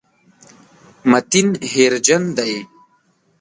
متین هېرجن دی.